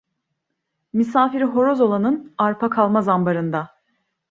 Misafiri horoz olanın, arpa kalmaz ambarında.